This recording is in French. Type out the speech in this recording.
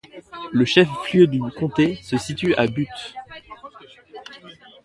Le chef-lieu du comté se situe à Butte.